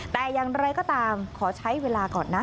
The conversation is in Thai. แต่อย่างไรก็ตามขอใช้เวลาก่อนนะ